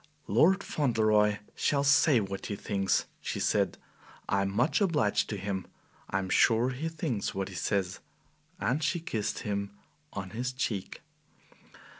"Lord Fauntleroy shall say what he thinks," she said; "and I am much obliged to him. I am sure he thinks what he says." And she kissed him on his cheek.